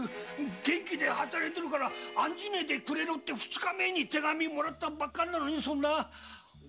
元気で働いてるから案じねぇでくれと二日前に手紙もらったばっかりなのにそんなバカな。